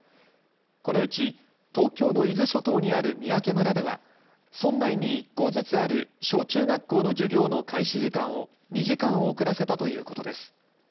このうち東京の伊豆諸島にある三宅村では村内に１校ずつある小中学校の授業の開始時間を２時間遅らせたということです。